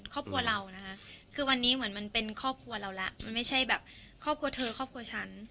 ครอบครัวเรานะคะคือวันนี้เหมือนมันเป็นครอบครัวเราแล้วมันไม่ใช่แบบครอบครัวเธอครอบครัวฉัน